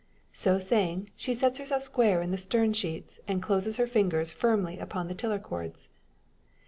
So saying, she sets herself square in the stern sheets, and closes her fingers firmly upon the tiller cords.